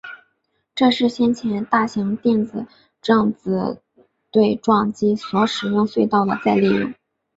这是先前大型电子正子对撞机所使用隧道的再利用。